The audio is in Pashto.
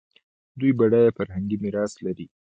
دوی بډایه فرهنګي میراث لري.